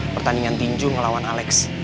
pertandingan tinju ngelawan alex